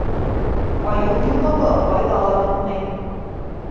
Айыу йоҡоһо айҙа ла бөтмәй.